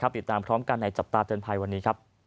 ติดตามพร้อมกันในจับตาเตือนภัยวันนี้ครับ